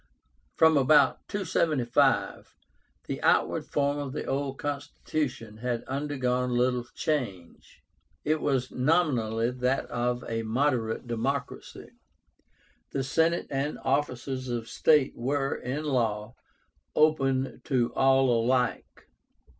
From about 275, the outward form of the old constitution had undergone little change. It was nominally that of a "moderate democracy." The Senate and offices of state were, in law, open to all alike.